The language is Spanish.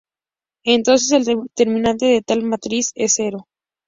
Entonces, el determinante de tal matriz es cero.